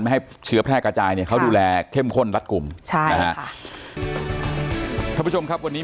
ไม่ให้เชื้อแพร่กระจายเขาดูแลเข้มข้นรัฐกลุ่มค่ะวันนี้